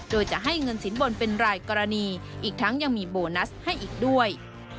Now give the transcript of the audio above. โดยจะให้เงินสินบนเป็นรายกรณีอีกทั้งยังมีโบนัสให้อีกด้วย